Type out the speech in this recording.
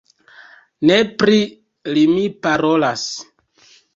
Ne pri li mi parolas!